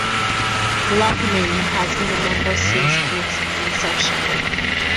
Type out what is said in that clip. Loughnane has been a member since its inception.